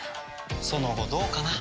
その後どうかな？